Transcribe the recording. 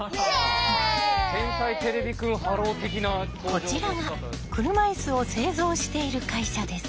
こちらが車いすを製造している会社です。